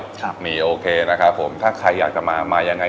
ครับมีโอเคนะครับผมถ้าใครอยากจะมามายังไง